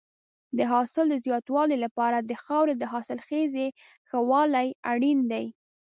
د حاصل د زیاتوالي لپاره د خاورې د حاصلخېزۍ ښه والی اړین دی.